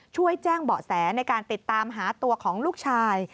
ช่วยแจ้งเบาะแสในการติดตามหาตัวของลูกชาย